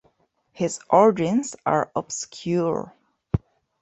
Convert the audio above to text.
His origins are obscure.